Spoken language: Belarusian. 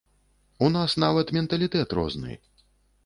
У нас нават менталітэт розны.